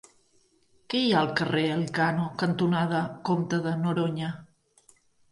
Què hi ha al carrer Elkano cantonada Comte de Noroña?